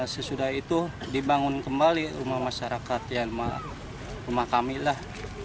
sesudah itu dibangun kembali rumah masyarakat ya rumah kami lah